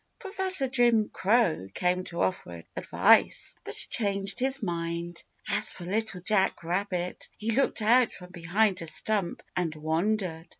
Professor Jim Crow came to offer advice, but changed his mind. As for Little Jack Rabbit, he looked out from behind a stump and wondered.